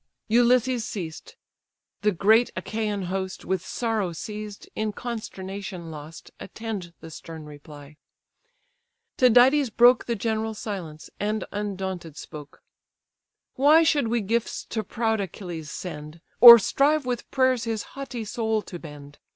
Ulysses ceased: the great Achaian host, With sorrow seized, in consternation lost, Attend the stern reply. Tydides broke The general silence, and undaunted spoke. "Why should we gifts to proud Achilles send, Or strive with prayers his haughty soul to bend?